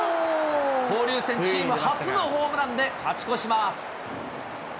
交流戦チーム初のホームランで勝ち越します。